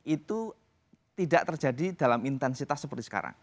itu tidak terjadi dalam intensitas seperti sekarang